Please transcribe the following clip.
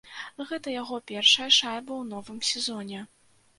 Гэта яго першая шайба ў новым сезоне.